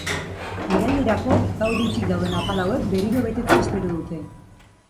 Irailerako gaur hutsik dauden apal hauek berriro betetzea espero dute.